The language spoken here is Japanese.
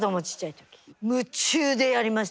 夢中でやりました。